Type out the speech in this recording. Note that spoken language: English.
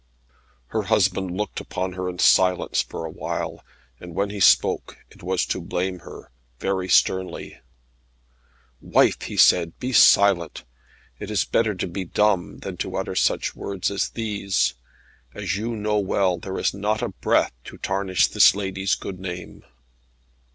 Her husband looked upon her in silence for awhile, and when he spoke it was to blame her very sternly. "Wife," he said, "be silent. It is better to be dumb, than to utter such words as these. As you know well, there is not a breath to tarnish this lady's good name."